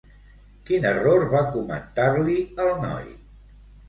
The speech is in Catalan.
Quin error va comentar-li al noi?